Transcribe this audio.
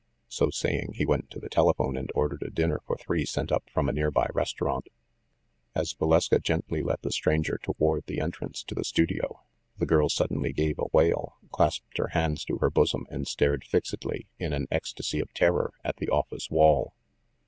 So saying, he went to the telephone and ordered a dinner for three sent up from a near by restaurant. As Valeska gently led the stranger toward the en trance to the studio, the girl suddenly gave a wail, clasped her hands to her bosom, and stared fixedly, in an ecstasy of terror, at the office wall.